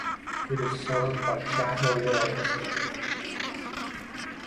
It is served by Chathill railway station.